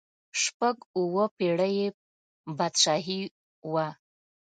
شپږ اووه پړۍ یې بادشاهي وه.